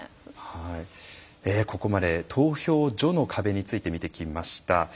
ここまで投票所の壁について見てきました。